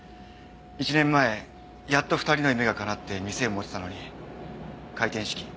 １年前やっと２人の夢がかなって店を持てたのに開店資金